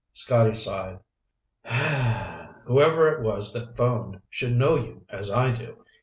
Scotty sighed. "Whoever it was that phoned should know you as I do.